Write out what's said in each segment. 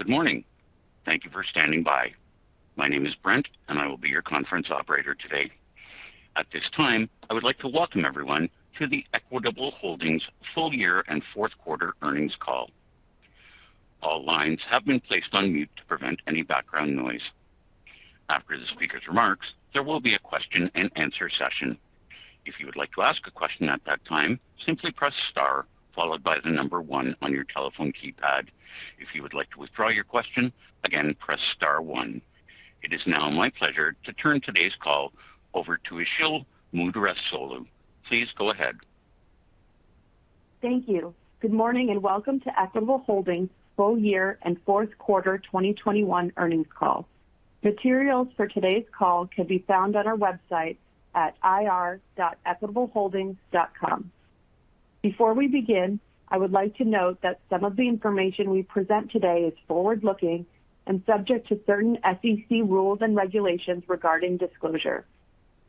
Good morning. Thank you for standing by. My name is Brent, and I will be your conference operator today. At this time, I would like to welcome everyone to the Equitable Holdings full year and Q4 earnings call. All lines have been placed on mute to prevent any background noise. After the speaker's remarks, there will be a question-and-answer session. If you would like to ask a question at that time, simply press star followed by the number one on your telephone keypad. If you would like to withdraw your question, again, press star one. It is now my pleasure to turn today's call over to Isil Muderrisoglu. Please go ahead. Thank you. Good morning and welcome to Equitable Holdings full year and Q4 2021 earnings call. Materials for today's call can be found on our website at ir.equitableholdings.com. Before we begin, I would like to note that some of the information we present today is forward-looking and subject to certain SEC rules and regulations regarding disclosure.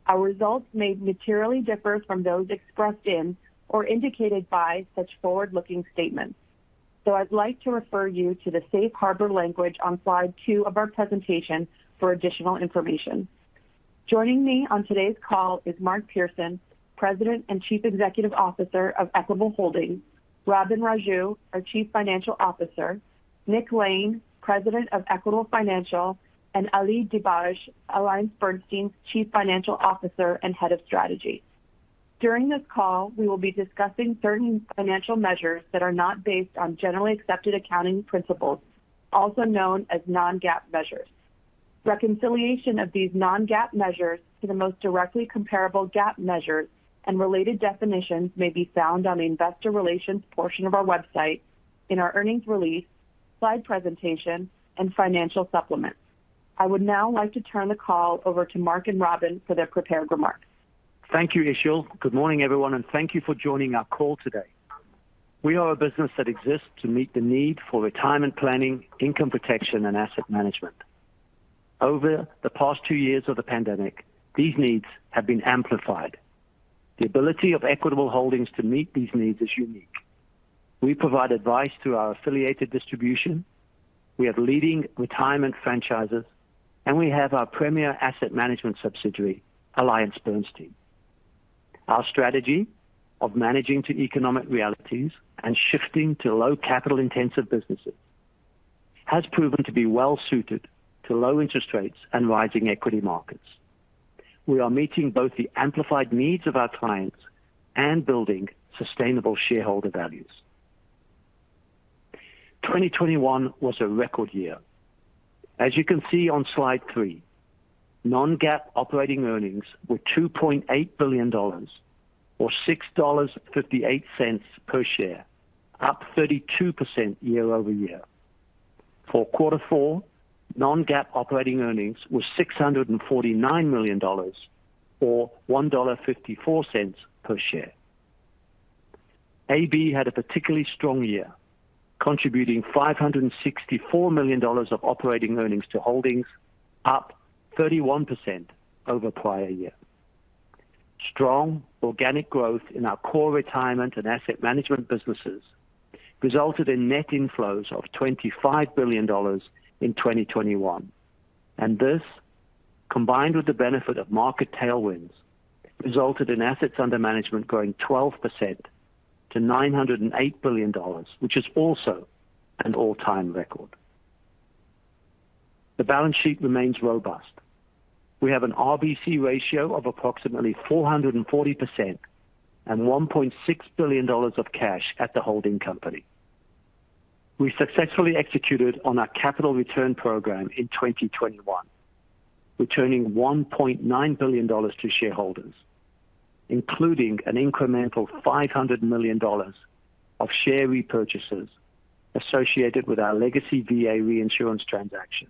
Our results may materially differ from those expressed in or indicated by such forward-looking statements. I'd like to refer you to the safe harbor language on slide two of our presentation for additional information. Joining me on today's call is Mark Pearson, President and CEO of Equitable Holdings, Robin Raju, our CFO, Nick Lane, President of Equitable Financial, and Ali Dibadj, AllianceBernstein's CFO and Head of Strategy. During this call, we will be discussing certain financial measures that are not based on generally accepted accounting principles, also known as non-GAAP measures. Reconciliation of these non-GAAP measures to the most directly comparable GAAP measures and related definitions may be found on the investor relations portion of our website in our earnings release, slide presentation, and financial supplements. I would now like to turn the call over to Mark and Robin for their prepared remarks. Thank you, Isil. Good morning, everyone, and thank you for joining our call today. We are a business that exists to meet the need for retirement planning, income protection, and Asset Management. Over the past two years of the pandemic, these needs have been amplified. The ability of Equitable Holdings to meet these needs is unique. We provide advice to our affiliated distribution, we have leading retirement franchises, and we have our premier Asset Management subsidiary, AllianceBernstein. Our strategy of managing to economic realities and shifting to low capital-intensive businesses has proven to be well suited to low interest rates and rising equity markets. We are meeting both the amplified needs of our clients and building sustainable shareholder values. 2021 was a record year. As you can see on slide three, non-GAAP operating earnings were $2.8 billion or $6.58 per share, up 32% year-over-year. For Q4, non-GAAP operating earnings were $649 million or $1.54 per share. AB had a particularly strong year, contributing $564 million of operating earnings to holdings, up 31% over prior year. Strong organic growth in our core retirement and asset management businesses resulted in net inflows of $25 billion in 2021, and this, combined with the benefit of market tailwinds, resulted in assets under management growing 12% to $908 billion, which is also an all-time record. The balance sheet remains robust. We have an RBC ratio of approximately 440% and $1.6 billion of cash at the holding company. We successfully executed on our capital return program in 2021, returning $1.9 billion to shareholders, including an incremental $500 million of share repurchases associated with our legacy VA reinsurance transaction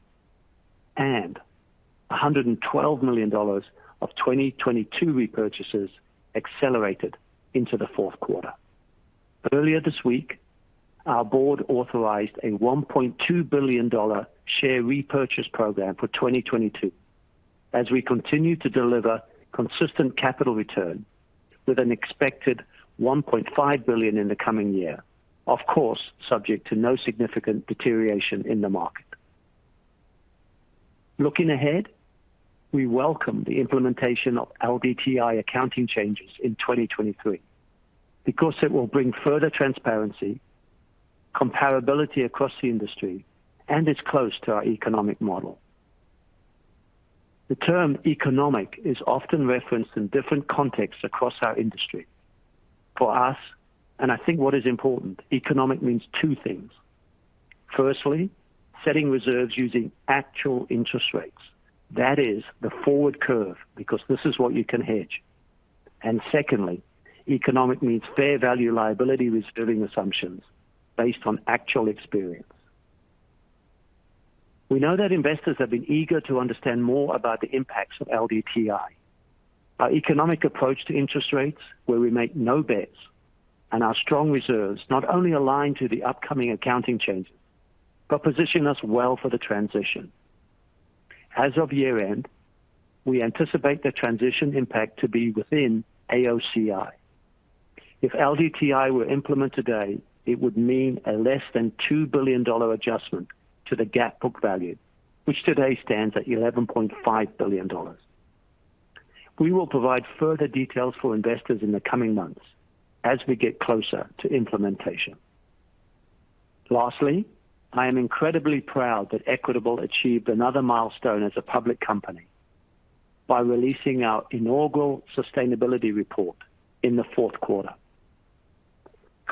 and $112 million of 2022 repurchases accelerated into the Q4. Earlier this week, our board authorized a $1.2 billion share repurchase program for 2022 as we continue to deliver consistent capital return with an expected $1.5 billion in the coming year, of course, subject to no significant deterioration in the market. Looking ahead, we welcome the implementation of LDTI accounting changes in 2023 because it will bring further transparency, comparability across the industry, and it's close to our economic model. The term economic is often referenced in different contexts across our industry. For us, and I think what is important, economic means two things. Firstly, setting reserves using actual interest rates. That is the forward curve because this is what you can hedge. Secondly, economic means fair value liability reserving assumptions based on actual experience. We know that investors have been eager to understand more about the impacts of LDTI. Our economic approach to interest rates, where we make no bets, and our strong reserves not only align to the upcoming accounting changes, but position us well for the transition. As of year-end, we anticipate the transition impact to be within AOCI. If LDTI were implemented today, it would mean a less than $2 billion adjustment to the GAAP book value, which today stands at $11.5 billion. We will provide further details for investors in the coming months as we get closer to implementation. Lastly, I am incredibly proud that Equitable achieved another milestone as a public company by releasing our inaugural sustainability report in the Q4.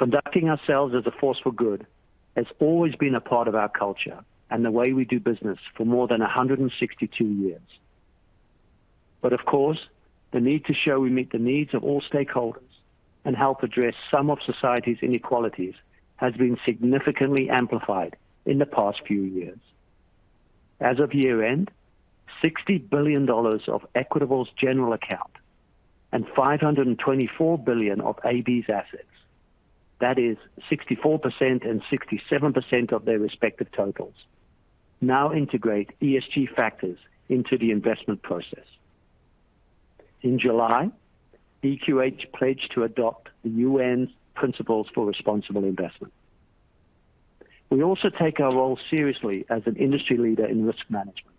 Conducting ourselves as a force for good has always been a part of our culture and the way we do business for more than 162 years. Of course, the need to show we meet the needs of all stakeholders and help address some of society's inequalities has been significantly amplified in the past few years. As of year-end, $60 billion of Equitable's general account and $524 billion of AB's assets, that is 64% and 67% of their respective totals, now integrate ESG factors into the investment process. In July, EQH pledged to adopt the UN principles for responsible investment. We also take our role seriously as an industry leader in risk management.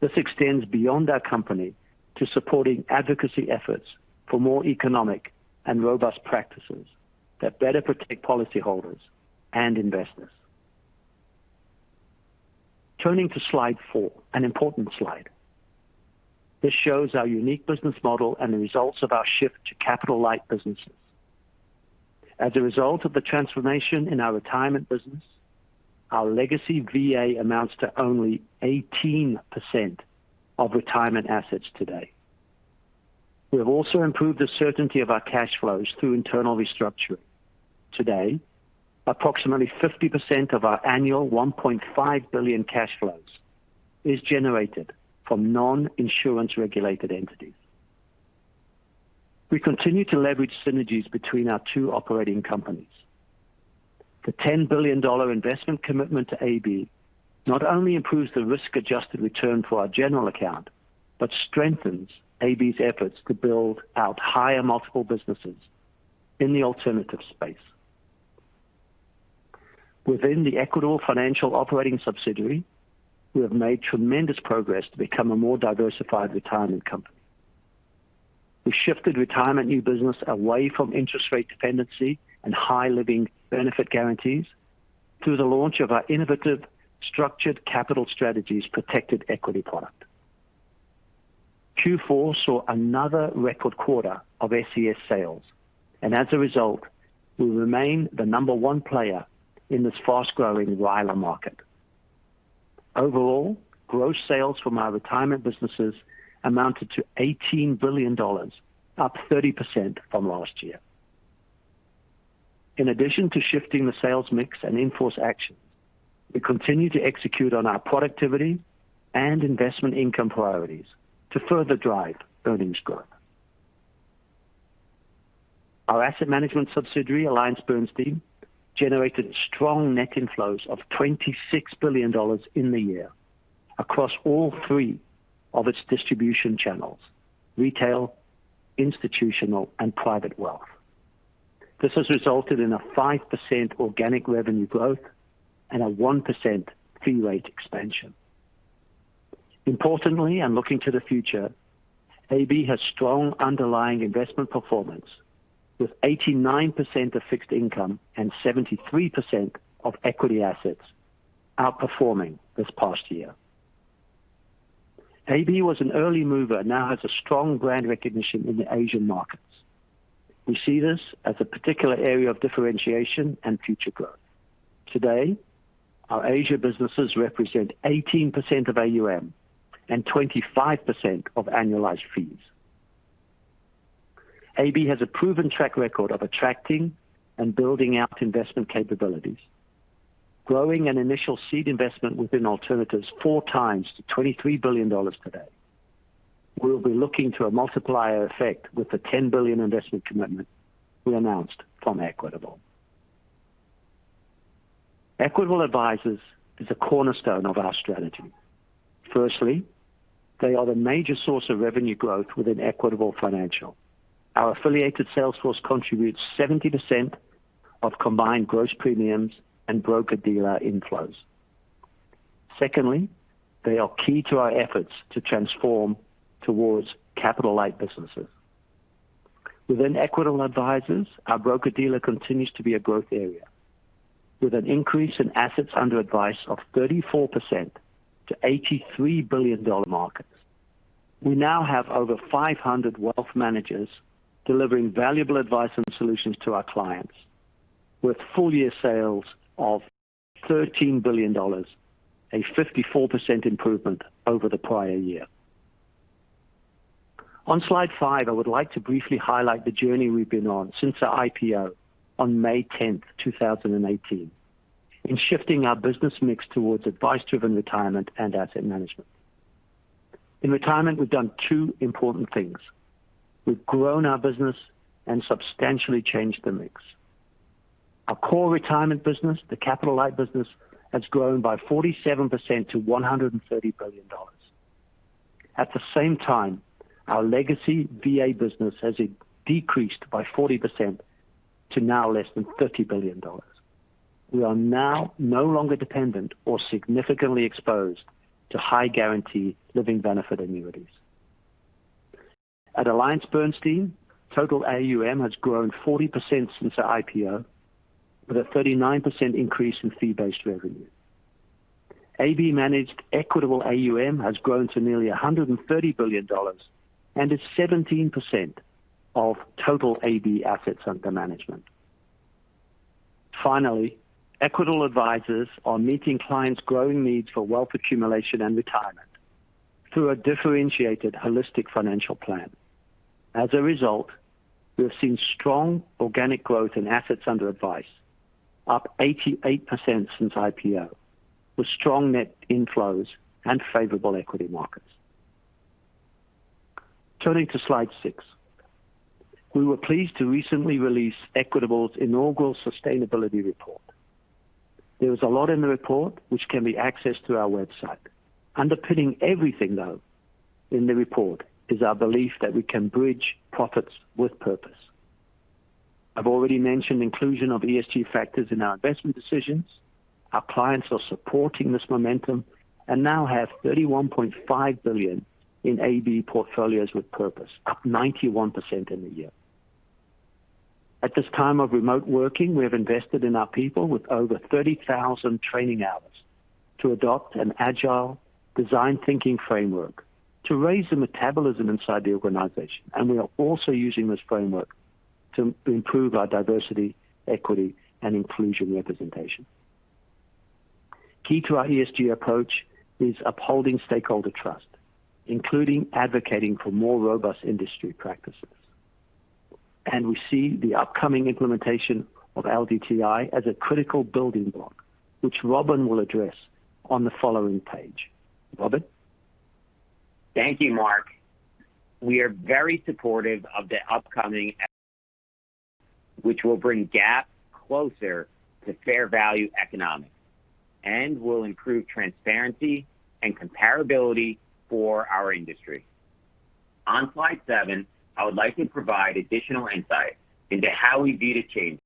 This extends beyond our company to supporting advocacy efforts for more economic and robust practices that better protect policyholders and investors. Turning to slide four, an important slide. This shows our unique business model and the results of our shift to capital-light businesses. As a result of the transformation in our retirement business, our legacy VA amounts to only 18% of retirement assets today. We have also improved the certainty of our cash flows through internal restructuring. Today, approximately 50% of our annual $1.5 billion cash flows is generated from non-insurance regulated entities. We continue to leverage synergies between our two operating companies. The $10 billion investment commitment to AB not only improves the risk-adjusted return for our general account, but strengthens AB's efforts to build out higher multiple businesses in the alternative space. Within the Equitable Financial operating subsidiary, we have made tremendous progress to become a more diversified retirement company. We shifted retirement new business away from interest rate dependency and high living benefit guarantees through the launch of our innovative Structured Capital Strategies protected equity product. Q4 saw another record quarter of SCS sales, and as a result, we remain the number one player in this fast-growing RILA market. Overall, gross sales from our retirement businesses amounted to $18 billion, up 30% from last year. In addition to shifting the sales mix and in-force actions, we continue to execute on our productivity and investment income priorities to further drive earnings growth. Our asset management subsidiary, Alliance Bernstein, generated strong net inflows of $26 billion in the year across all three of its distribution channels, retail, institutional, and private wealth. This has resulted in a five percent organic revenue growth and a one percent fee rate expansion. Importantly, and looking to the future, AB has strong underlying investment performance with 89% of fixed income and 73% of equity assets outperforming this past year. AB was an early mover and now has a strong brand recognition in the Asian markets. We see this as a particular area of differentiation and future growth. Today, our Asia businesses represent 18% of AUM and 25% of annualized fees. AB has a proven track record of attracting and building out investment capabilities, growing an initial seed investment within alternatives 4x to $23 billion today. We'll be looking to a multiplier effect with the $10 billion investment commitment we announced from Equitable. Equitable Advisors is a cornerstone of our strategy. Firstly, they are the major source of revenue growth within Equitable Financial. Our affiliated sales force contributes 70% of combined gross premiums and broker-dealer inflows. Secondly, they are key to our efforts to transform towards capital-light businesses. Within Equitable Advisors, our broker-dealer continues to be a growth area with an increase in assets under advice of 34% to $83 billion markets. We now have over 500 wealth managers delivering valuable advice and solutions to our clients with full year sales of $13 billion, a 54% improvement over the prior year. On slide five, I would like to briefly highlight the journey we've been on since the IPO on May 10th 2018, in shifting our business mix towards advice-driven retirement and asset management. In retirement, we've done two important things. We've grown our business and substantially changed the mix. Core retirement business, the capital light business has grown by 47% to $130 billion. At the same time, our legacy VA business has decreased by 40% to now less than $30 billion. We are now no longer dependent or significantly exposed to high guarantee living benefit annuities. At AllianceBernstein, total AUM has grown 40% since the IPO, with a 39% increase in fee-based revenue. AB-managed Equitable AUM has grown to nearly $130 billion and is 17% of total AB assets under management. Finally, Equitable Advisors are meeting clients' growing needs for wealth accumulation and retirement through a differentiated, holistic financial plan. As a result, we have seen strong organic growth in assets under advice, up 88% since IPO, with strong net inflows and favorable equity markets. Turning to slide six. We were pleased to recently release Equitable's inaugural sustainability report. There was a lot in the report which can be accessed through our website. Underpinning everything, though, in the report is our belief that we can bridge profits with purpose. I've already mentioned inclusion of ESG factors in our investment decisions. Our clients are supporting this momentum and now have $31.5 billion in AB portfolios with purpose, up 91% in the year. At this time of remote working, we have invested in our people with over 30,000 training hours to adopt an agile design thinking framework to raise the metabolism inside the organization. We are also using this framework to improve our diversity, equity, and inclusion representation. Key to our ESG approach is upholding stakeholder trust, including advocating for more robust industry practices. We see the upcoming implementation of LDTI as a critical building block, which Robin will address on the following page. Robin. Thank you, Mark. We are very supportive of the upcoming LDTI, which will bring GAAP closer to fair value economics and will improve transparency and comparability for our industry. On slide seven, I would like to provide additional insight into how we view the changes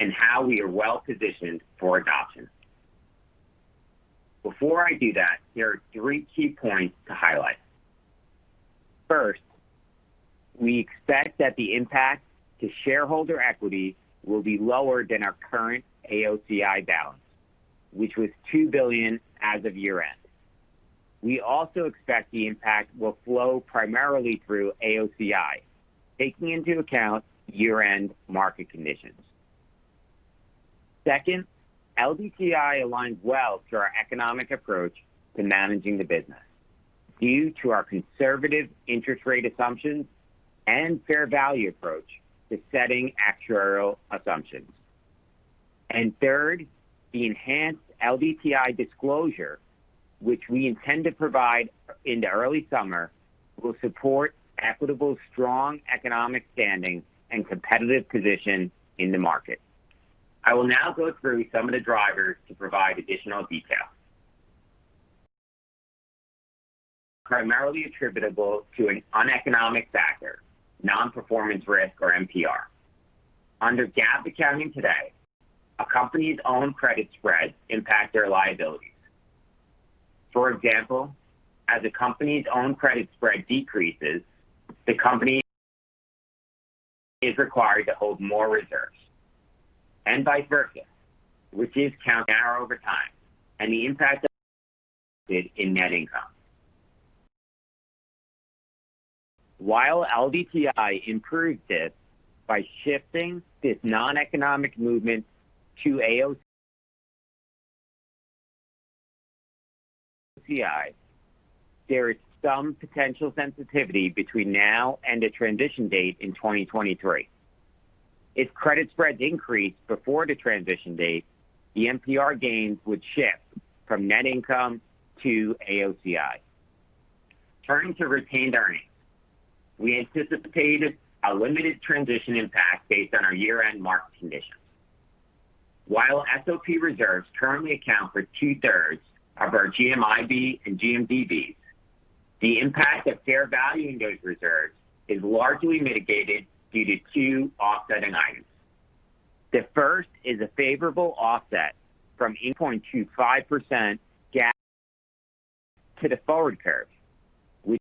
and how we are well positioned for adoption. Before I do that, there are three key points to highlight. First, we expect that the impact to shareholder equity will be lower than our current AOCI balance, which was $2 billion as of year-end. We also expect the impact will flow primarily through AOCI, taking into account year-end market conditions. Second, LDTI aligns well to our economic approach to managing the business due to our conservative interest rate assumptions and fair value approach to setting actuarial assumptions. Third, the enhanced LDTI disclosure, which we intend to provide in the early summer, will support Equitable's strong economic standing and competitive position in the market. I will now go through some of the drivers to provide additional detail. Primarily attributable to an uneconomic factor, non-performance risk or NPR. Under GAAP accounting today, a company's own credit spreads impact their liabilities. For example, as a company's own credit spread decreases, the company is required to hold more reserves. Vice versa, which can narrow over time and the impact on net income. While LDTI improves this by shifting this non-economic movement to AOCI, there is some potential sensitivity between now and the transition date in 2023. If credit spreads increase before the transition date, the NPR gains would shift from net income to AOCI. Turning to retained earnings. We anticipated a limited transition impact based on our year-end market conditions. While SOP reserves currently account for two-thirds of our GMIB and GMDBs, the impact of fair value in those reserves is largely mitigated due to two offsetting items. The first is a favorable offset from 8.25% GAAP to the forward curve, which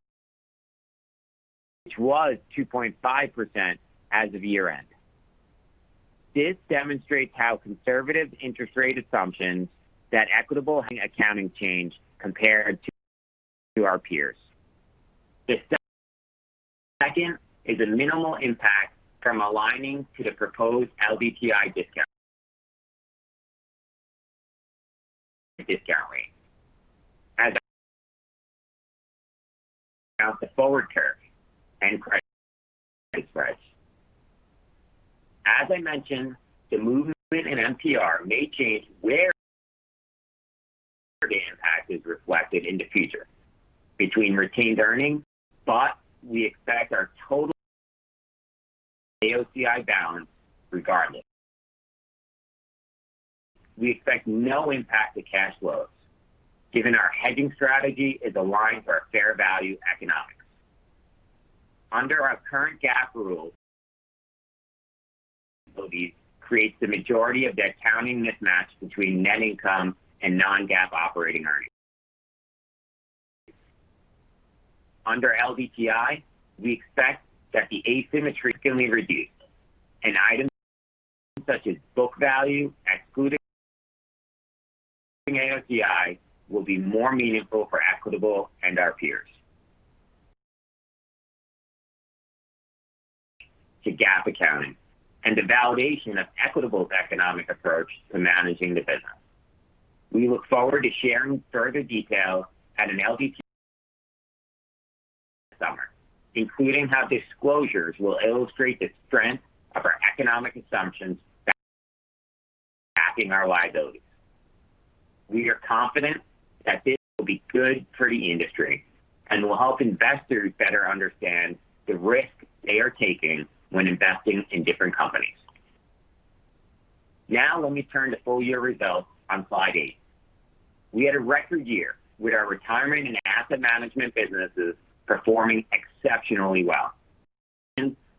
was 2.5% as of year-end. This demonstrates how conservative interest rate assumptions that Equitable's accounting change compared to our peers. The second is a minimal impact from aligning to the proposed LDTI discount rate, as the forward curve and credit spreads, as I mentioned, the movement in NPR may change where it is reflected in the future between retained earnings, but we expect our total AOCI balance regardless. We expect no impact to cash flows given our hedging strategy is aligned for a fair value economics. Under our current GAAP rules, it creates the majority of the accounting mismatch between net income and non-GAAP operating earnings. Under LDTI, we expect that the asymmetry can be reduced and items such as book value excluding AOCI will be more meaningful for Equitable and our peers. This is a step toward GAAP accounting and the validation of Equitable's economic approach to managing the business. We look forward to sharing further detail at an LDTI including how disclosures will illustrate the strength of our economic assumptions backing our liabilities. We are confident that this will be good for the industry and will help investors better understand the risk they are taking when investing in different companies. Now let me turn to full year results on slide eight. We had a record year with our Retirement and Asset Management businesses performing exceptionally well.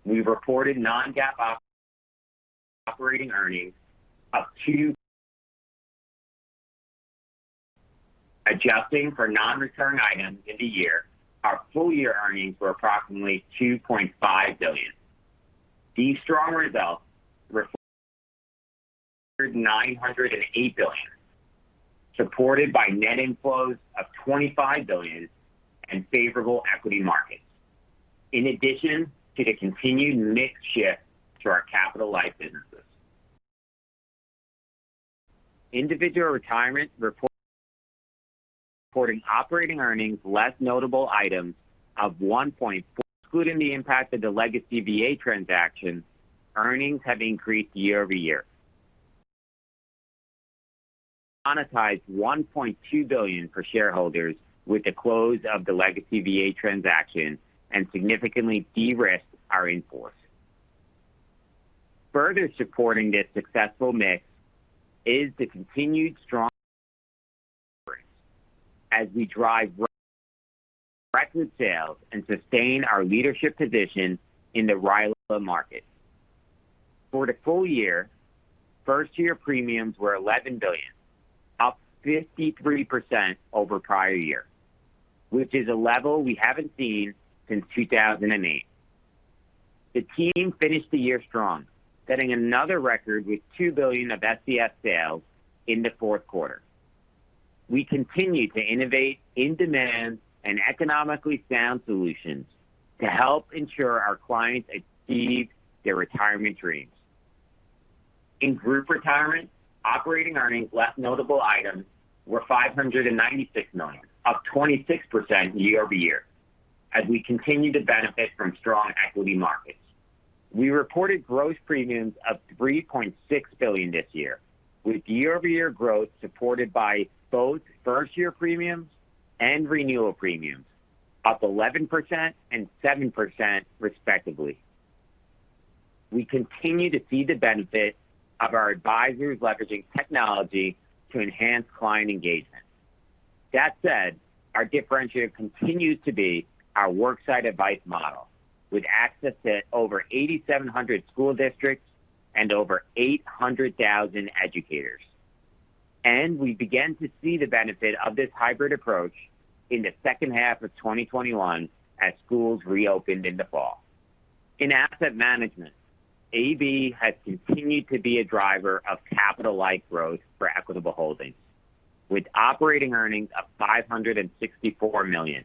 We reported non-GAAP operating earnings of two. Adjusting for non-recurring items in the year, our full year earnings were approximately $2.5 billion. These strong results reflect $908 billion, supported by net inflows of $25 billion and favorable equity markets. In addition to the continued mix shift to our capital-light businesses, Individual Retirement reporting operating earnings less notable items of $1.4 billion, including the impact of the legacy VA transaction, earnings have increased year-over-year. Monetized $1.2 billion for shareholders with the close of the legacy VA transaction and significantly de-risked our in-force. Further supporting this successful mix is the continued strength as we drive record sales and sustain our leadership position in the RILA market. For the full year, first year premiums were $11 billion, up 53% over prior year, which is a level we haven't seen since 2008. The team finished the year strong, setting another record with $2 billion of SCS sales in the Q4. We continue to innovate in-demand and economically sound solutions to help ensure our clients achieve their retirement dreams. In Group Retirement, operating earnings less notable items were $596 million, up 26% year-over-year. As we continue to benefit from strong equity markets, we reported gross premiums of $3.6 billion this year, with year-over-year growth supported by both first year premiums and renewal premiums, up 11% and 7% respectively. We continue to see the benefit of our advisors leveraging technology to enhance client engagement. That said, our differentiator continues to be our worksite advice model, with access to over 8,700 school districts and over 800,000 educators. We began to see the benefit of this hybrid approach in the second half of 2021 as schools reopened in the fall. In Asset Management, AB has continued to be a driver of capital-light growth for Equitable Holdings, with operating earnings of $564 million,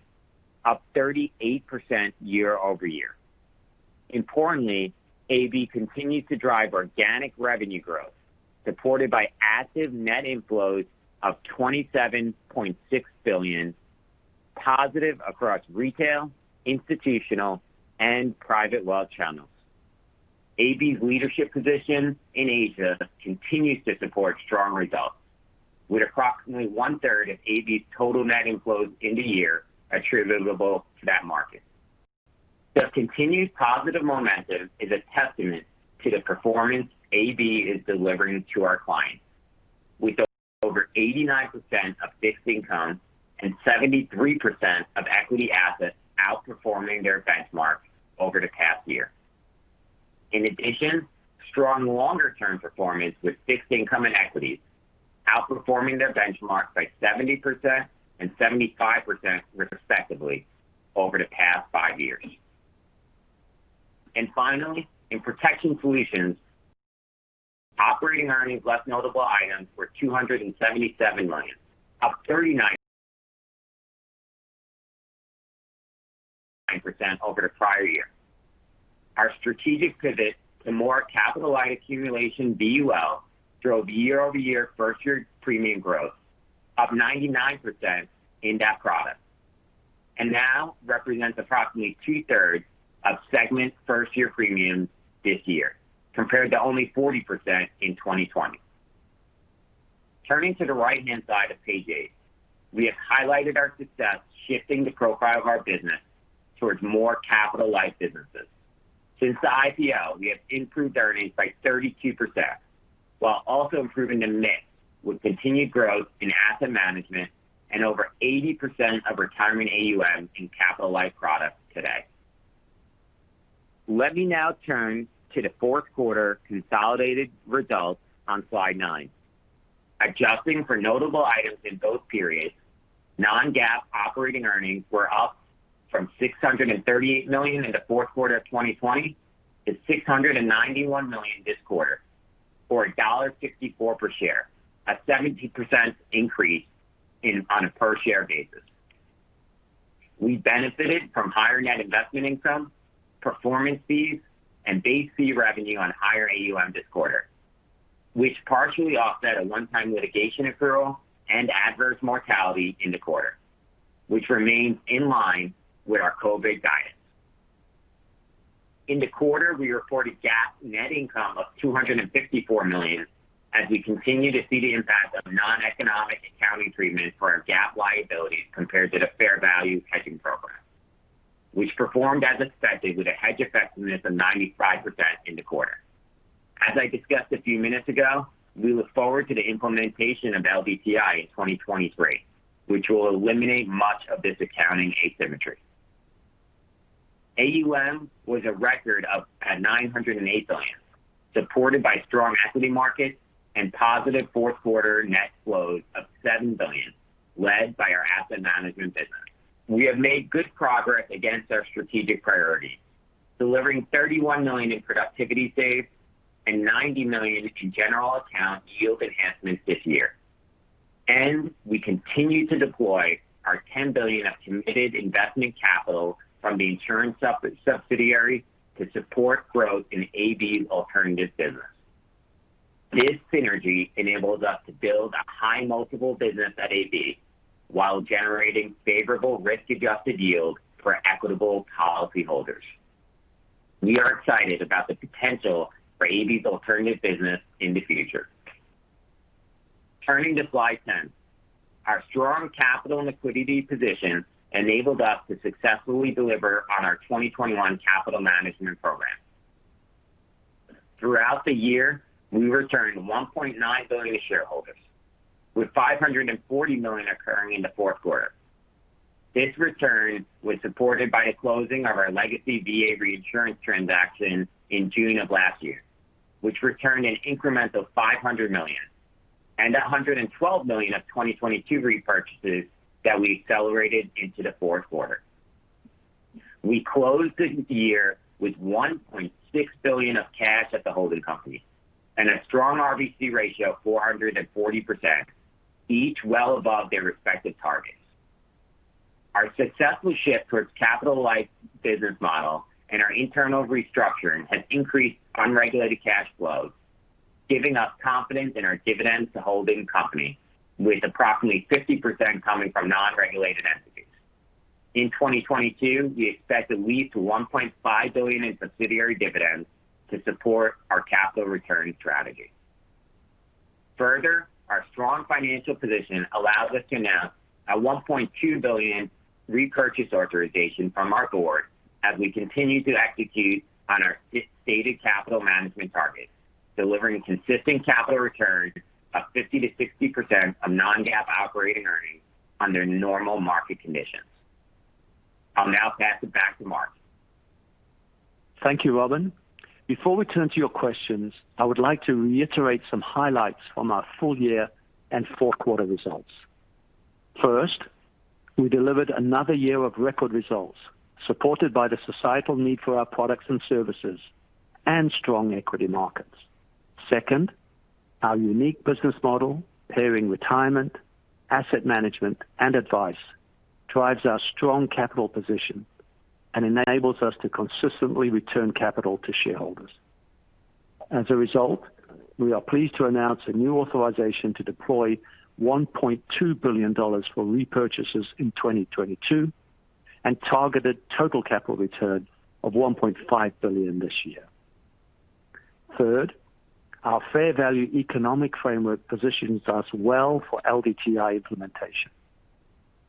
up 38% year-over-year. Importantly, AB continues to drive organic revenue growth, supported by active net inflows of $27.6 billion, positive across retail, institutional, and private wealth channels. AB's leadership position in Asia continues to support strong results, with approximately one third of AB's total net inflows in the year attributable to that market. The continued positive momentum is a testament to the performance AB is delivering to our clients, with over 89% of fixed income and 73% of equity assets outperforming their benchmarks over the past year. In addition, strong longer-term performance with fixed income and equities outperforming their benchmarks by 70% and 75% respectively over the past five years. Finally, in Protection Solutions, operating earnings less notable items were $277 million, up 39% over the prior year. Our strategic pivot to more capital-light accumulation VUL drove year-over-year first year premium growth, up 99% in that product. Now represents approximately two-thirds of segment first year premiums this year, compared to only 40% in 2020. Turning to the right-hand side of page eight, we have highlighted our success shifting the profile of our business towards more capital-light businesses. Since the IPO, we have improved earnings by 32% while also improving the mix with continued growth in Asset Management and over 80% of retirement AUM in capital-light products today. Let me now turn to the Q4 consolidated results on slide NINE. Adjusting for notable items in both periods, non-GAAP operating earnings were up from $638 million in the Q4 of 2020 to $691 million this quarter, or $1.54 per share, a 17% increase on a per share basis. We benefited from higher net investment income, performance fees, and base fee revenue on higher AUM this quarter, which partially offset a one-time litigation accrual and adverse mortality in the quarter, which remains in line with our COVID guidance. In the quarter, we reported GAAP net income of $254 million as we continue to see the impact of non-economic accounting treatment for our GAAP liabilities compared to the fair value hedging program, which performed as expected with a hedge effectiveness of 95% in the quarter. As I discussed a few minutes ago, we look forward to the implementation of LDTI in 2023, which will eliminate much of this accounting asymmetry. AUM was a record $908 billion, supported by strong equity markets and positive Q4 net flows of $7 billion led by our asset management business. We have made good progress against our strategic priorities, delivering $31 million in productivity saves and $90 million in general account yield enhancements this year. We continue to deploy our $10 billion of committed investment capital from the insurance sub-subsidiary to support growth in AB alternative business. This synergy enables us to build a high multiple business at AB while generating favorable risk-adjusted yields for Equitable policyholders. We are excited about the potential for AB's alternative business in the future. Turning to slide 10. Our strong capital and liquidity position enabled us to successfully deliver on our 2021 capital management program. Throughout the year, we returned $1.9 billion to shareholders, with $540 million occurring in the Q4. This return was supported by the closing of our legacy VA reinsurance transaction in June of last year, which returned an increment of $500 million and $112 million of 2022 repurchases that we accelerated into the Q4. We closed the year with $1.6 billion of cash at the holding company and a strong RBC ratio of 440%, each well above their respective targets. Our successful shift towards capital life business model and our internal restructuring has increased unregulated cash flows, giving us confidence in our dividends to holding company with approximately 50% coming from non-regulated entities. In 2022, we expect at least $1.5 billion in subsidiary dividends to support our capital return strategy. Further, our strong financial position allows us to announce a $1.2 billion repurchase authorization from our board as we continue to execute on our stated capital management targets, delivering consistent capital returns of 50%-60% of non-GAAP operating earnings under normal market conditions. I'll now pass it back to Mark. Thank you, Robin. Before we turn to your questions, I would like to reiterate some highlights from our full year and fourth quarter results. First, we delivered another year of record results supported by the societal need for our products and services and strong equity markets. Second, our unique business model pairing retirement, asset management, and advice drives our strong capital position and enables us to consistently return capital to shareholders. As a result, we are pleased to announce a new authorization to deploy $1.2 billion for repurchases in 2022 and targeted total capital return of $1.5 billion this year. Third, our fair value economic framework positions us well for LDTI implementation.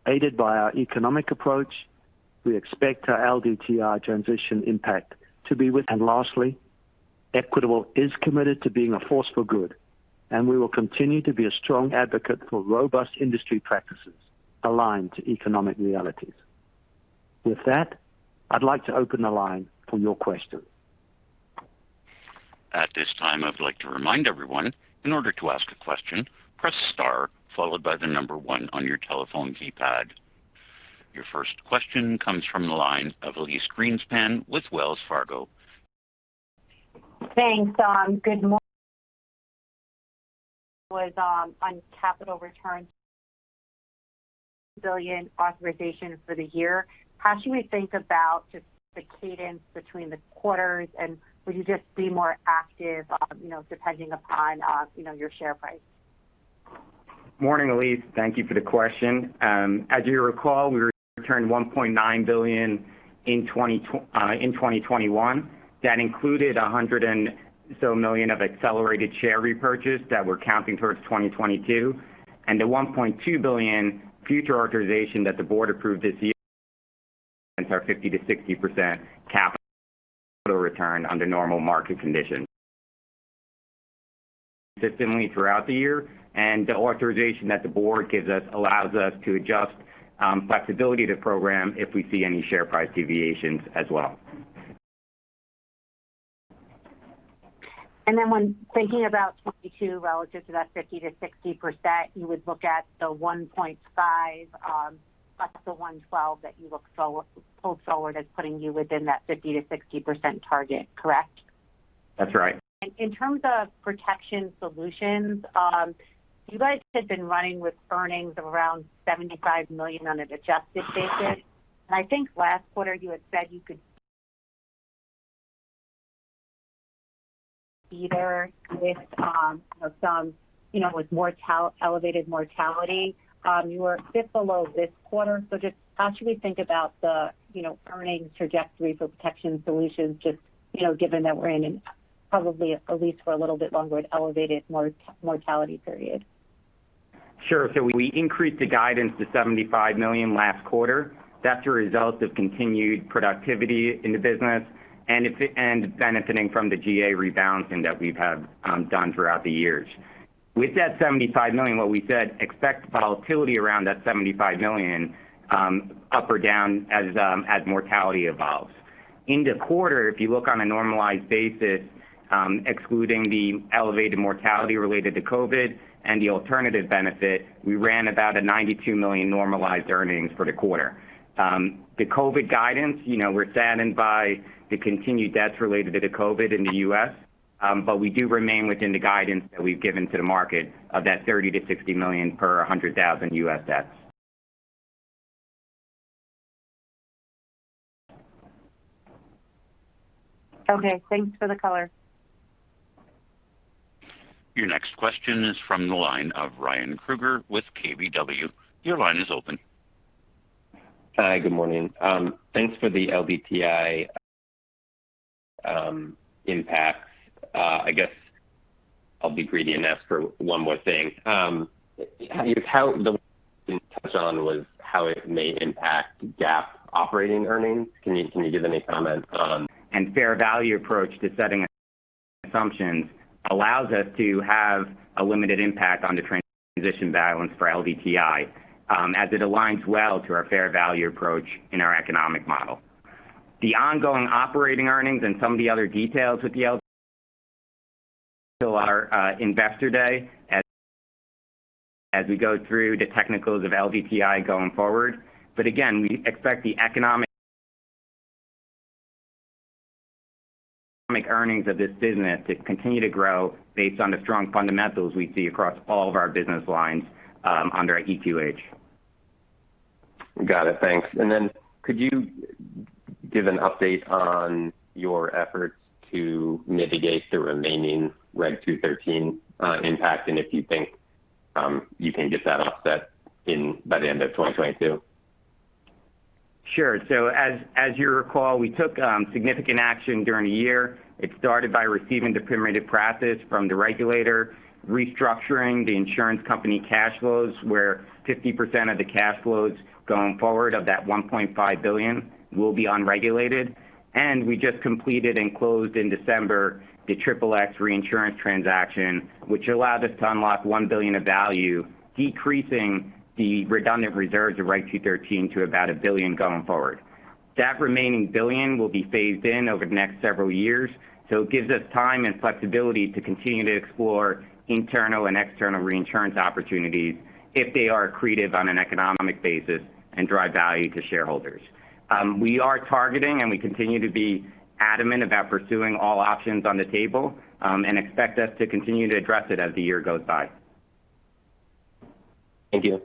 Aided by our economic approach, we expect our LDTI transition impact to be with... Lastly, Equitable is committed to being a force for good, and we will continue to be a strong advocate for robust industry practices aligned to economic realities. With that, I'd like to open the line for your questions. At this time, I would like to remind everyone, in order to ask a question, press star followed by the number one on your telephone keypad. Your first question comes from the line of Elyse Greenspan with Wells Fargo. Thanks. On capital return $1 billion authorization for the year, how should we think about just the cadence between the quarters? Will you just be more active, you know, depending upon, you know, your share price? Morning, Elyse. Thank you for the question. As you recall, we returned $1.9 billion in 2021. That included a hundred or so million of accelerated share repurchase that we're counting towards 2022. The $1.2 billion future authorization that the board approved this year are 50%-60% capital return under normal market conditions. Consistently throughout the year, and the authorization that the board gives us allows us to adjust flexibility to program if we see any share price deviations as well. When thinking about 2022 relative to that 50%-60%, you would look at the 1.5 plus the 112 that you pulled forward as putting you within that 50%-60% target, correct? That's right. In terms of Protection Solutions, you guys had been running with earnings of around $75 million on an adjusted basis. I think last quarter you had said you could either with some, you know, with elevated mortality, you were a bit below this quarter. Just how should we think about the, you know, earnings trajectory for Protection Solutions, just, you know, given that we're in an probably at least for a little bit longer an elevated mortality period? Sure. We increased the guidance to $75 million last quarter. That's a result of continued productivity in the business and benefiting from the GA rebalancing that we've done throughout the years. With that $75 million, what we said, expect volatility around that $75 million, up or down as mortality evolves. In the quarter, if you look on a normalized basis, excluding the elevated mortality related to COVID and the alternative benefit, we ran about a $92 million normalized earnings for the quarter. The COVID guidance, you know, we're saddened by the continued deaths related to the COVID in the U.S., but we do remain within the guidance that we've given to the market of that $30 million-$60 million per 100,000 U.S. deaths. Okay, thanks for the color. Your next question is from the line of Ryan Krueger with KBW. Your line is open. Hi, good morning. Thanks for the LDTI impact. I guess I'll be greedy and ask for one more thing. How you touched on how it may impact GAAP operating earnings. Can you give any comments on- Fair value approach to setting assumptions allows us to have a limited impact on the transition balance for LDTI, as it aligns well to our fair value approach in our economic model. The ongoing operating earnings and some of the other details. Our investor day as we go through the technicals of LDTI going forward. Again, we expect the economic earnings of this business to continue to grow based on the strong fundamentals we see across all of our business lines, under EQH. Got it. Thanks. Then could you give an update on your efforts to mitigate the remaining Reg. 213 impact and if you think you can get that offset in by the end of 2022? Sure. As you recall, we took significant action during the year. It started by receiving the Permitted Practice from the regulator, restructuring the insurance company cash flows, where 50% of the cash flows going forward of that $1.5 billion will be unregulated. We just completed and closed in December the Triple-X reinsurance transaction, which allowed us to unlock $1 billion of value, decreasing the redundant reserves of Reg. 213 to about $1 billion going forward. That remaining $1 billion will be phased in over the next several years, so it gives us time and flexibility to continue to explore internal and external reinsurance opportunities if they are accretive on an economic basis and drive value to shareholders. We are targeting, and we continue to be adamant about pursuing all options on the table, and expect us to continue to address it as the year goes by. Thank you.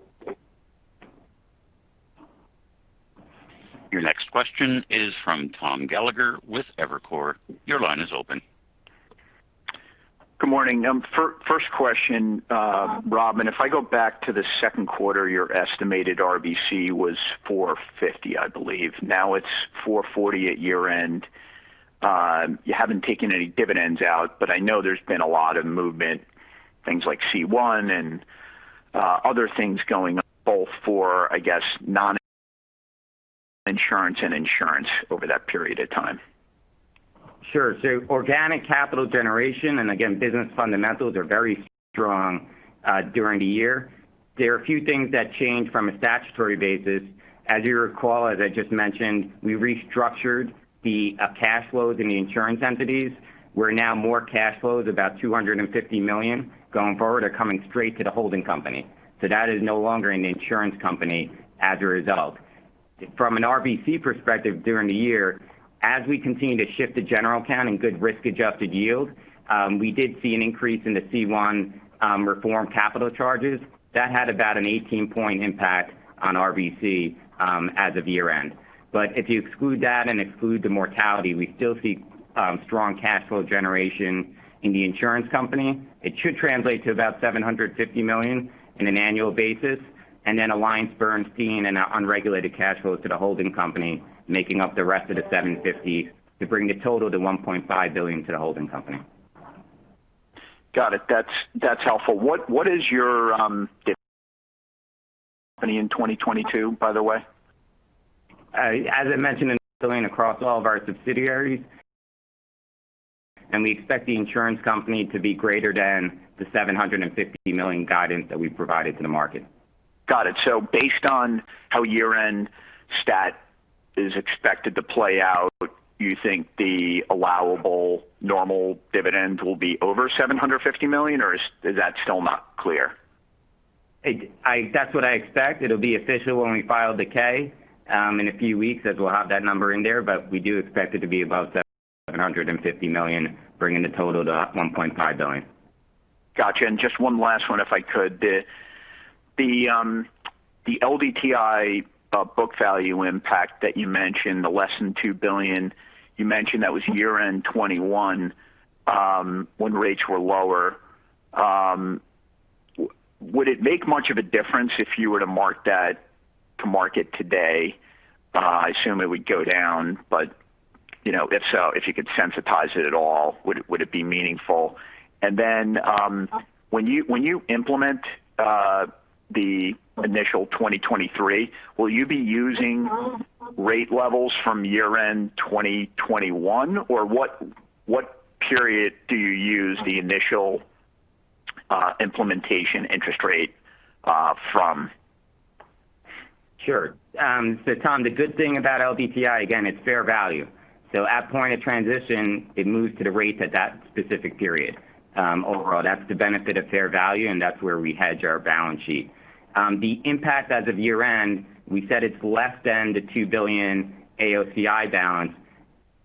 Your next question is from Tom Gallagher with Evercore. Your line is open. Good morning. First question, Robin, if I go back to the second quarter, your estimated RBC was 450, I believe. Now it's 440 at year-end. You haven't taken any dividends out, but I know there's been a lot of movement, things like C-1 and other things going on both for, I guess, non-insurance and insurance over that period of time. Sure. Organic capital generation, and again, business fundamentals are very strong during the year. There are a few things that change from a statutory basis. As you recall, as I just mentioned, we restructured the cash flows in the insurance entities, where now more cash flows, about $250 million going forward, are coming straight to the holding company. That is no longer an insurance company as a result. From an RBC perspective during the year, as we continue to shift to general account and good risk-adjusted yield, we did see an increase in the C-1 required capital charges. That had about an 18-point impact on RBC as of year-end. If you exclude that and exclude the mortality, we still see strong cash flow generation in the insurance company. It should translate to about $750 million on an annual basis. AllianceBernstein and our unregulated cash flows to the holding company making up the rest of the 750 to bring the total to $1.5 billion to the holding company. Got it. That's helpful. What is your company in 2022, by the way? As I mentioned, $1 billion across all of our subsidiaries, and we expect the insurance company to be greater than the $750 million guidance that we provided to the market. Got it. Based on how year-end stat is expected to play out, do you think the allowable normal dividend will be over $750 million, or is that still not clear? That's what I expect. It'll be official when we file the 10-K in a few weeks as we'll have that number in there. We do expect it to be above $750 million, bringing the total to $1.5 billion. Got you. Just one last one if I could. The LDTI book value impact that you mentioned, the less than $2 billion, you mentioned that was year-end 2021, when rates were lower. Would it make much of a difference if you were to mark that to market today? I assume it would go down, but you know, if so, if you could sensitize it at all, would it be meaningful? Then, when you implement the initial 2023, will you be using rate levels from year-end 2021, or what period do you use the initial implementation interest rate from? Sure. Tom, the good thing about LDTI, again, it's fair value. At point of transition, it moves to the rate at that specific period. Overall, that's the benefit of fair value, and that's where we hedge our balance sheet. The impact as of year-end, we said it's less than the $2 billion AOCI balance,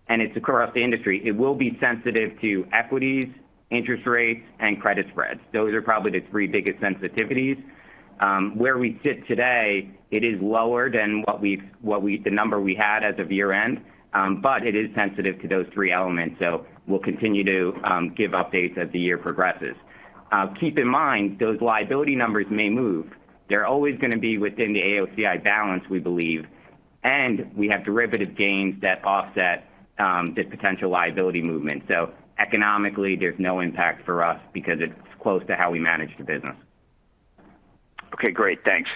and it's across the industry. It will be sensitive to equities, interest rates, and credit spreads. Those are probably the three biggest sensitivities. Where we sit today, it is lower than the number we had as of year-end, but it is sensitive to those three elements. We'll continue to give updates as the year progresses. Keep in mind, those liability numbers may move. They're always gonna be within the AOCI balance, we believe. We have derivative gains that offset the potential liability movement. Economically, there's no impact for us because it's close to how we manage the business. Okay, great. Thanks.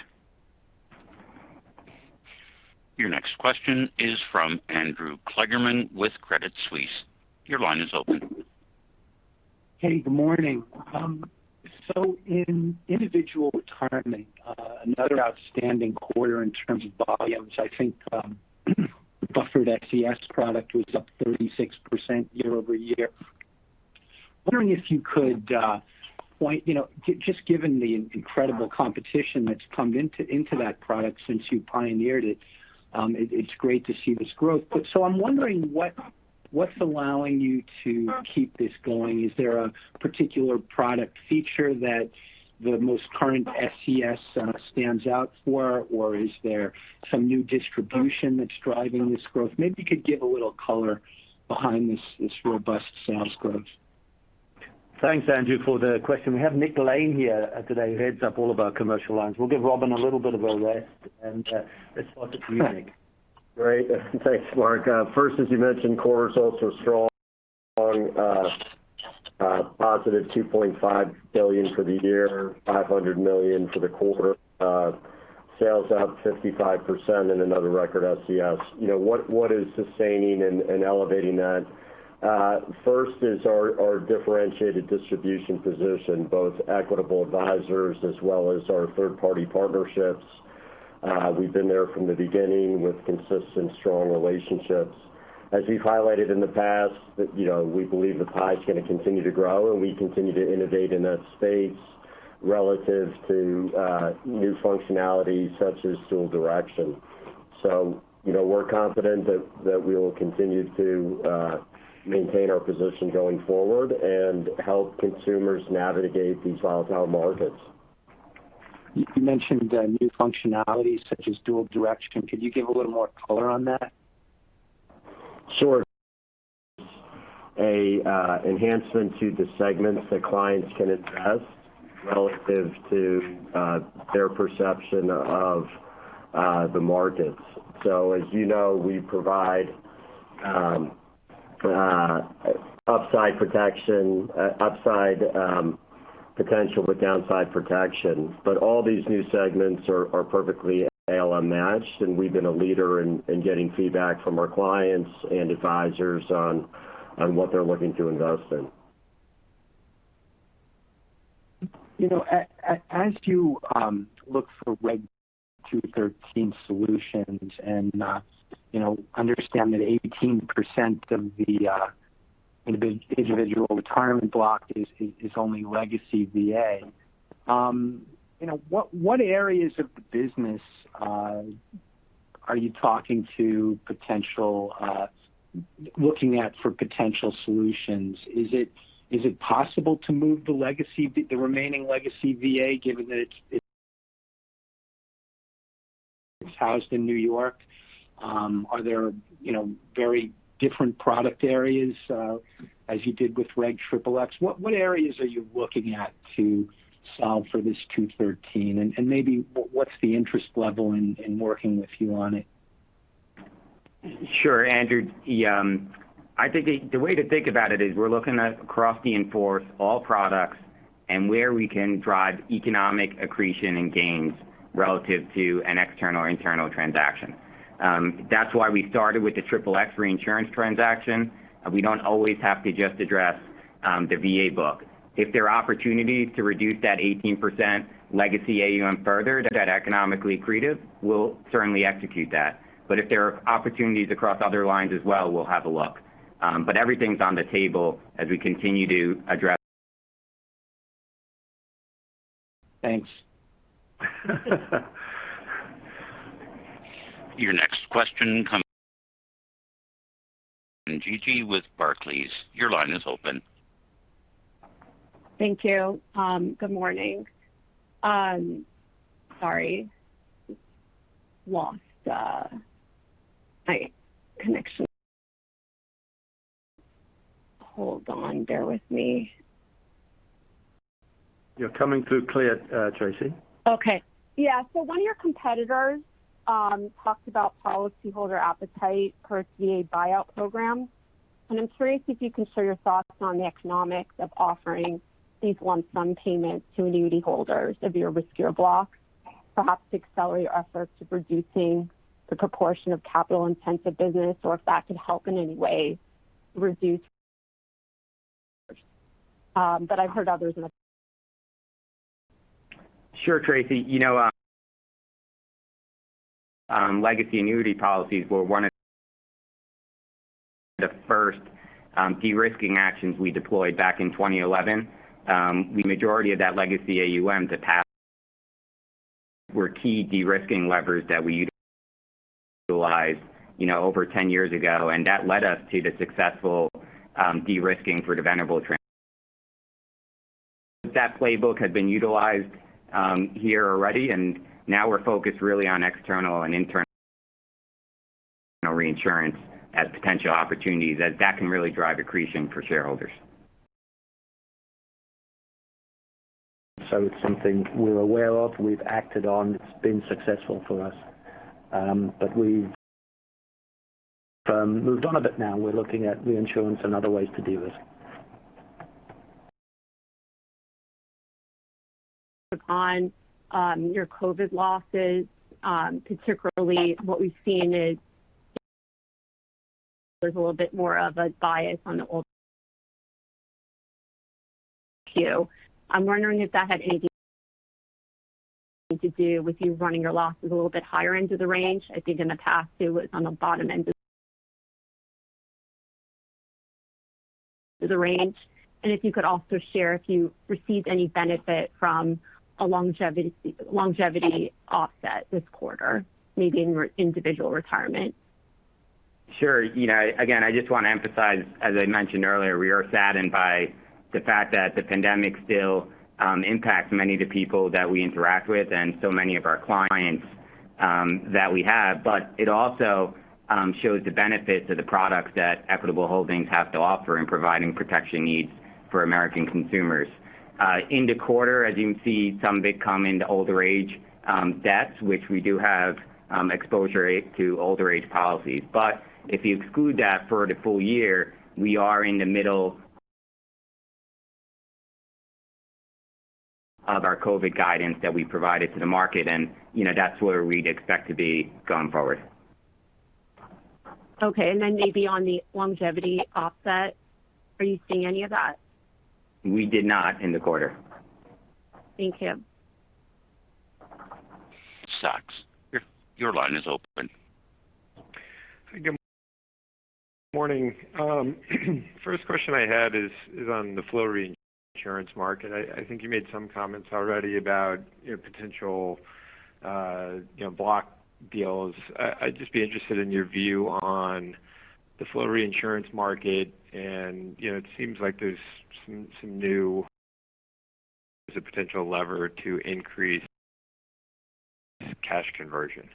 Your next question is from Andrew Kligerman with Credit Suisse. Your line is open. Hey, good morning. In Individual Retirement, another outstanding quarter in terms of volumes. I think, Buffered SCS product was up 36% year-over-year. Wondering if you could point, you know, just given the incredible competition that's come into that product since you pioneered it's great to see this growth. I'm wondering what's allowing you to keep this going? Is there a particular product feature that the most current SCS stands out for, or is there some new distribution that's driving this growth? Maybe you could give a little color behind this robust sales growth. Thanks, Andrew, for the question. We have Nick Lane here today, who heads up all of our commercial lines. We'll give Robin a little bit of a rest, and let's talk it to you, Nick. Great. Thanks, Mark. First, as you mentioned, core results are strong. Positive $2.5 billion for the year, $500 million for the quarter. Sales up 55% in another record SCS. You know, what is sustaining and elevating that, first is our differentiated distribution position, both Equitable Advisors as well as our third-party partnerships. We've been there from the beginning with consistent, strong relationships. As we've highlighted in the past, you know, we believe the pie is going to continue to grow, and we continue to innovate in that space relative to new functionality such as dual direction. You know, we're confident that we will continue to maintain our position going forward and help consumers navigate these volatile markets. You mentioned, new functionality such as Dual Direction. Could you give a little more color on that? Sure. An enhancement to the segments that clients can invest relative to their perception of the markets. As you know, we provide upside protection, upside potential with downside protection. All these new segments are perfectly unmatched, and we've been a leader in getting feedback from our clients and advisors on what they're looking to invest in. You know, as you look for Reg. 213 solutions and, you know, understand that 18% of the Individual Retirement block is only legacy VA, you know, what areas of the business are you looking at for potential solutions? Is it possible to move the remaining legacy VA given that it's housed in New York? Are there very different product areas, as you did with Reg XXX? What areas are you looking at to solve for this 213, and maybe what's the interest level in working with you on it? Sure, Andrew. Yeah, I think the way to think about it is we're looking at across the in-force all products and where we can drive economic accretion and gains relative to an external or internal transaction. That's why we started with the XXX reinsurance transaction. We don't always have to just address the VA book. If there are opportunities to reduce that 18% legacy AUM further that economically accretive, we'll certainly execute that. If there are opportunities across other lines as well, we'll have a look. Everything's on the table as we continue to address. Thanks. Your next question comes from Tracy Benguigui with Barclays. Your line is open. Thank you. Good morning. Sorry. Lost my connection. Hold on. Bear with me. You're coming through clear, Tracy. Okay. Yeah. One of your competitors talked about policyholder appetite for VA buyout programs, and I'm curious if you can share your thoughts on the economics of offering these lump sum payments to annuity holders of your riskier blocks, perhaps to accelerate your efforts of reducing the proportion of capital-intensive business, or if that could help in any way reduce. But I've heard others in a- Sure, Tracy. You know, legacy annuity policies were one of the first derisking actions we deployed back in 2011. The majority of that legacy AUM that passed were key derisking levers that we utilized, you know, over 10 years ago, and that led us to the successful derisking for the Venerable transaction. That playbook had been utilized here already, and now we're focused really on external and internal reinsurance as potential opportunities as that can really drive accretion for shareholders. It's something we're aware of, we've acted on. It's been successful for us. We've moved on a bit now. We're looking at reinsurance and other ways to derisk. On your COVID losses, particularly what we've seen is there's a little bit more of a bias on the low end. I'm wondering if that had anything to do with you running your losses a little bit higher into the range. I think in the past, it was on the bottom end of the range. If you could also share if you received any benefit from a longevity offset this quarter, maybe in your Individual Retirement. Sure. You know, again, I just want to emphasize, as I mentioned earlier, we are saddened by the fact that the pandemic still impacts many of the people that we interact with and so many of our clients that we have. It also shows the benefits of the products that Equitable Holdings have to offer in providing protection needs for American consumers. In the quarter, as you can see, some of it come into older age deaths, which we do have exposure to older age policies. If you exclude that for the full year, we are in the middle of our COVID guidance that we provided to the market, and you know, that's where we'd expect to be going forward. Okay. Maybe on the longevity offset, are you seeing any of that? We did not in the quarter. Thank you. Sachs, your line is open. Good morning. First question I had is on the flow reinsurance market. I think you made some comments already about your potential, you know, block deals. I'd just be interested in your view on the flow reinsurance market and, you know, there's a potential lever to increase cash conversion.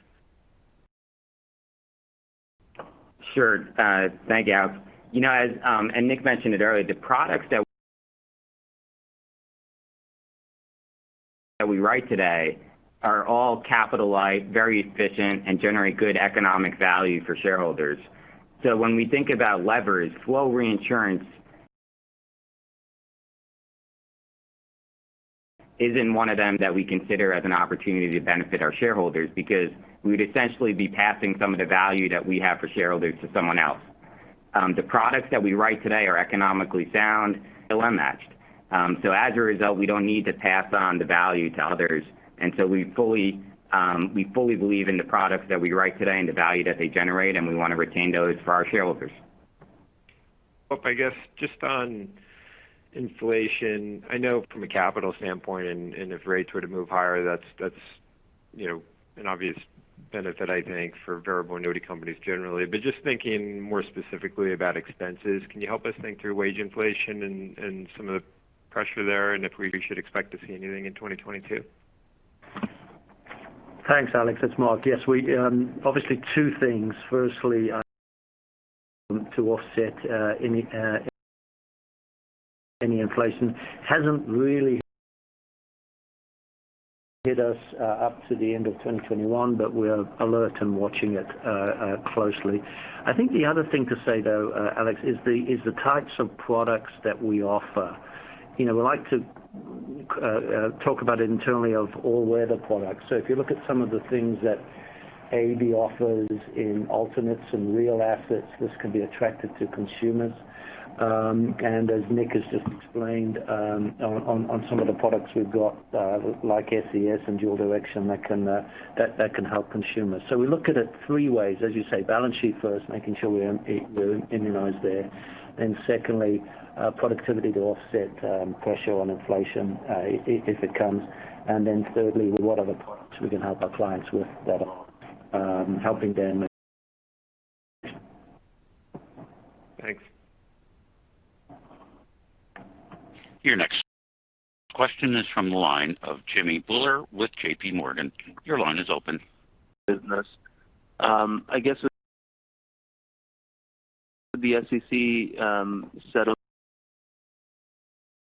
Sure. Thank you. You know, Nick mentioned it earlier, the products that we write today are all capitalized, very efficient, and generate good economic value for shareholders. When we think about leverage, flow reinsurance isn't one of them that we consider as an opportunity to benefit our shareholders because we would essentially be passing some of the value that we have for shareholders to someone else. The products that we write today are economically sound, still unmatched. As a result, we don't need to pass on the value to others, and we fully believe in the products that we write today and the value that they generate, and we want to retain those for our shareholders. I guess just on inflation, I know from a capital standpoint and if rates were to move higher, that's you know, an obvious benefit, I think, for variable annuity companies generally. Just thinking more specifically about expenses, can you help us think through wage inflation and some of the Pressure there, and if we should expect to see anything in 2022? Thanks, Alex. It's Mark. Yes, we obviously two things. Firstly, to offset any inflation. It hasn't really hit us up to the end of 2021, but we're alert and watching it closely. I think the other thing to say, though, Alex, is the types of products that we offer. You know, we like to talk about it internally as all-weather products. If you look at some of the things that AB offers in alternatives and real assets, this can be attractive to consumers. As Nick has just explained, on some of the products we've got, like SCS and Dual Direction, that can help consumers. We look at it three ways, as you say, balance sheet first, making sure we're immunized there. Secondly, productivity to offset pressure on inflation, if it comes. Thirdly, what other products we can help our clients with that are helping them. Thanks. Your next question is from the line of Jimmy Bhullar with J.P. Morgan. Your line is open.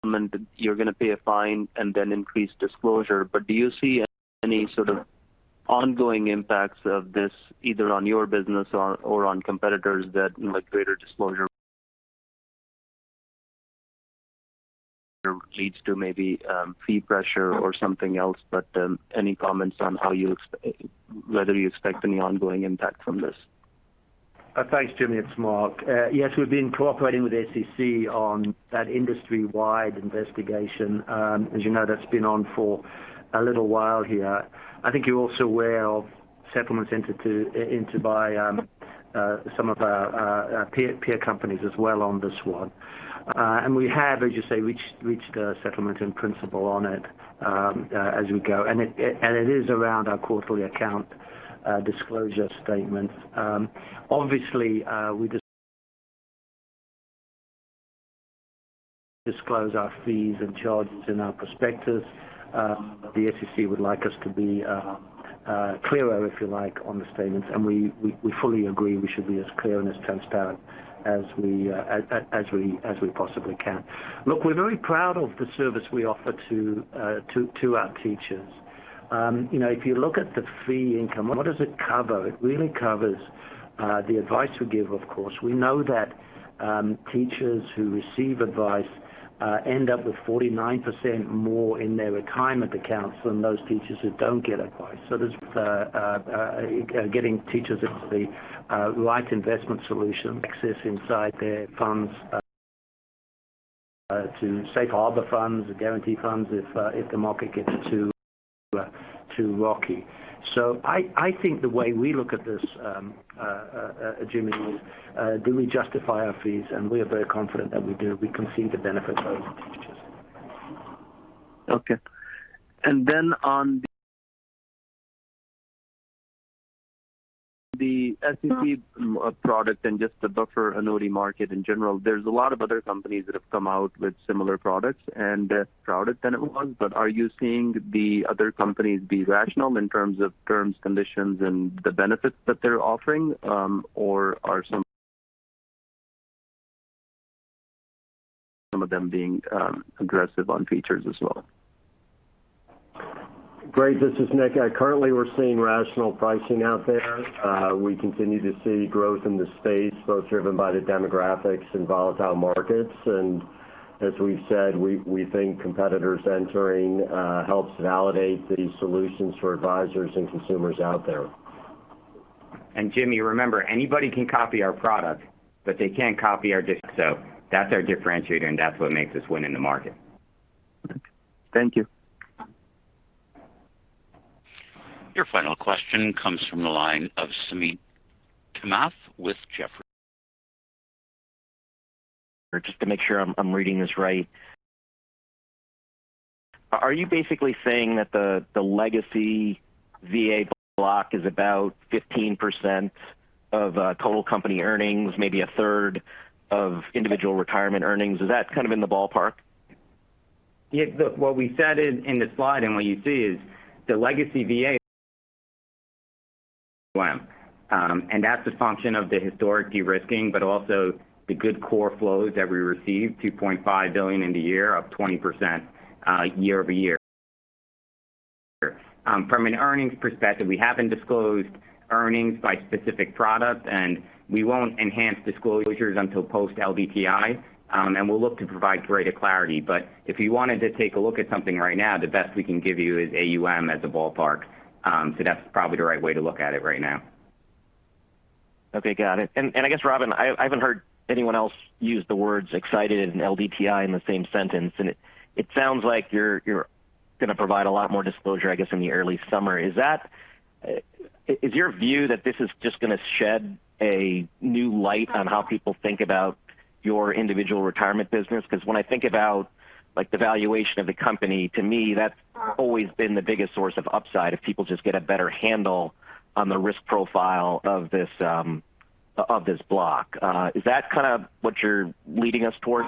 Business. I guess with the SEC settlement, you're gonna pay a fine and then increase disclosure. Do you see any sort of ongoing impacts of this either on your business or on competitors that, you know, greater disclosure leads to maybe fee pressure or something else, but any comments on whether you expect any ongoing impact from this? Thanks, Jimmy. It's Mark. Yes, we've been cooperating with SEC on that industry-wide investigation. As you know, that's been on for a little while here. I think you're also aware of settlements entered by some of our peer companies as well on this one. We have, as you say, reached a settlement in principle on it, as we go. It is around our quarterly account disclosure statement. Obviously, we disclose our fees and charges in our prospectus. The SEC would like us to be clearer, if you like, on the statements, and we fully agree we should be as clear and as transparent as we possibly can. Look, we're very proud of the service we offer to our teachers. You know, if you look at the fee income, what does it cover? It really covers the advice we give, of course. We know that teachers who receive advice end up with 49% more in their retirement accounts than those teachers who don't get advice. There's getting teachers into the right investment solution, access inside their funds to safe harbor funds or guarantee funds if the market gets too rocky. I think the way we look at this, Jimmy, is do we justify our fees? We are very confident that we do. We can see the benefit of teachers. Okay. On the SCS product and just the buffer annuity market in general, there's a lot of other companies that have come out with similar products and more crowded than it was. Are you seeing the other companies be rational in terms of terms, conditions, and the benefits that they're offering? Are some of them being aggressive on features as well? Great. This is Nick. Currently, we're seeing rational pricing out there. We continue to see growth in the space, both driven by the demographics and volatile markets. As we've said, we think competitors entering helps validate these solutions for advisors and consumers out there. Jimmy, remember, anybody can copy our product, but they can't copy our differentiator, and that's what makes us win in the market. Thank you. Your final question comes from the line of Suneet Kamath with Jefferies. Just to make sure I'm reading this right. Are you basically saying that the legacy VA block is about 15% of total company earnings, maybe a third of individual retirement earnings? Is that kind of in the ballpark? Yeah, what we said in the slide and what you see is the legacy VA, and that's a function of the historic de-risking, but also the good core flows that we receive, $2.5 billion in the year, up 20%, year-over-year. From an earnings perspective, we haven't disclosed earnings by specific product, and we won't enhance disclosures until post-LDTI, and we'll look to provide greater clarity. But if you wanted to take a look at something right now, the best we can give you is AUM as a ballpark. So that's probably the right way to look at it right now. Okay, got it. I guess, Robin, I haven't heard anyone else use the words excited and LDTI in the same sentence. It sounds like you're gonna provide a lot more disclosure, I guess, in the early summer. Is that your view that this is just gonna shed a new light on how people think about your Individual Retirement business? Because when I think about, like, the valuation of the company, to me, that's always been the biggest source of upside, if people just get a better handle on the risk profile of this of this block. Is that kind of what you're leading us towards?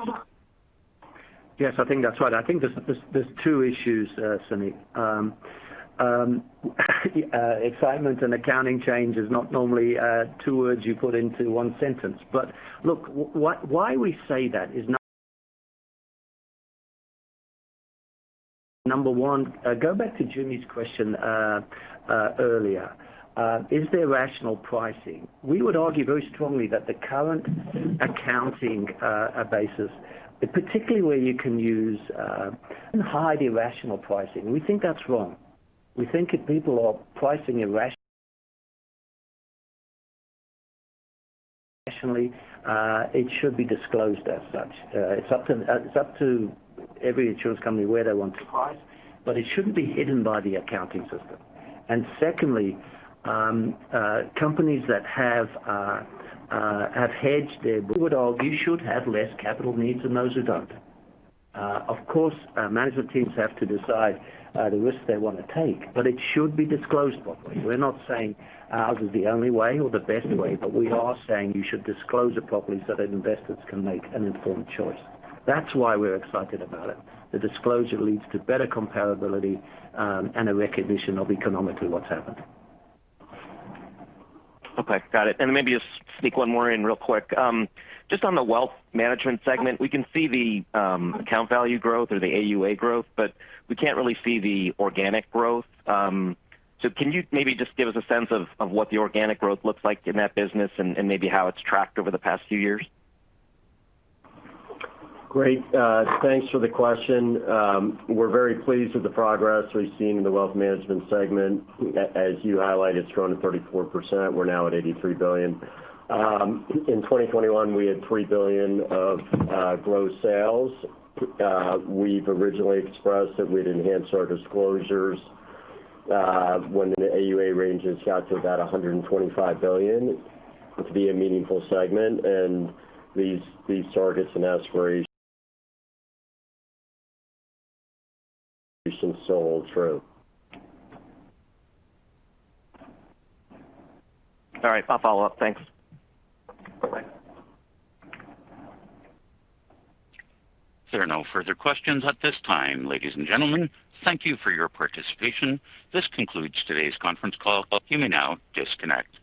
Yes, I think that's right. I think there's two issues, Suneet. Excitement and accounting change is not normally two words you put into one sentence. Look, why we say that is not. Number one, go back to Jimmy's question earlier. Is there rational pricing? We would argue very strongly that the current accounting basis, particularly where you can use and hide irrational pricing. We think that's wrong. We think if people are pricing irrationally, it should be disclosed as such. It's up to every insurance company where they want to price, but it shouldn't be hidden by the accounting system. Secondly, companies that have hedged their VAs should have less capital needs than those who don't. Of course, management teams have to decide the risks they wanna take, but it should be disclosed properly. We're not saying ours is the only way or the best way, but we are saying you should disclose it properly so that investors can make an informed choice. That's why we're excited about it. The disclosure leads to better comparability, and a recognition of economically what's happened. Okay, got it. Maybe just sneak one more in real quick. Just on the Wealth Management segment, we can see the account value growth or the AUA growth, but we can't really see the organic growth. Can you maybe just give us a sense of what the organic growth looks like in that business and maybe how it's tracked over the past few years? Great. Thanks for the question. We're very pleased with the progress we've seen in the Wealth Management segment. As you highlighted, it's grown to 34%. We're now at $83 billion. In 2021, we had $3 billion of gross sales. We've originally expressed that we'd enhance our disclosures when the AUA ranges got to about $125 billion to be a meaningful segment. These targets and aspirations still hold true. All right, I'll follow up. Thanks. Okay. There are no further questions at this time. Ladies and gentlemen, thank you for your participation. This concludes today's conference call. You may now disconnect.